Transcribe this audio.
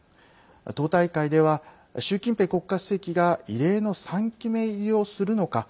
党大会では、習近平国家主席が異例の３期目入りをするのか。